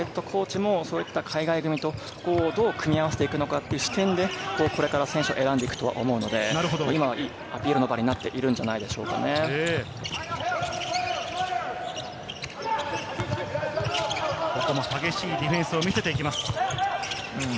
ホーバスＨＣもそういった海外組とどう組み合わせていくのかという視点で、これから選手を選んでいくと思うので、今はアピールの場になってここも激しいディフェンスを見せていきます。